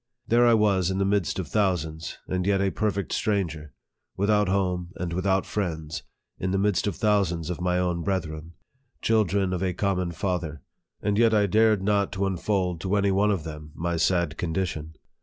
There I was in the midst of thousands, and yet a perfect stran ger ; without home and without friends, in the midst of thousands of my own brethren children of a com mon Father, and yet I dared not to unfold to any one of them my sad condition.